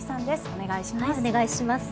お願いします。